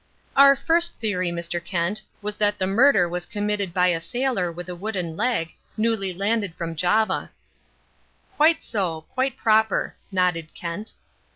"Our first theory, Mr. Kent, was that the murder was committed by a sailor with a wooden leg, newly landed from Java." "Quite so, quite proper," nodded Kent.